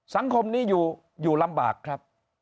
สังคมนี้อยู่ลำบากครับ